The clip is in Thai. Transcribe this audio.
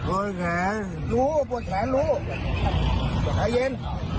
โอ้ยแขนรู้ปวดแขนรู้แขนเย็น